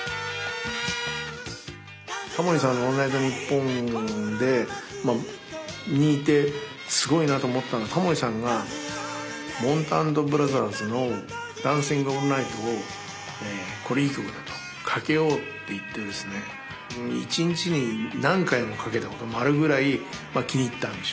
タモリさんの「オールナイトニッポン」でにいてすごいなと思ったのはタモリさんがもんた＆ブラザーズの「ダンシング・オールナイト」をこれいい曲だとかけようって言ってですね一日に何回もかけたこともあるぐらい気に入ったんでしょうね。